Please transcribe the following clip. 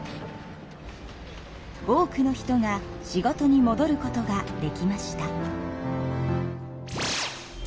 多くの人が仕事にもどることができました。